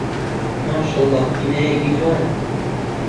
ماشەڵڵا بینایەکی جوانە.